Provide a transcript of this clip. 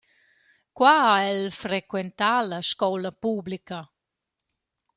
Qua ha el frequentà la scoula publica.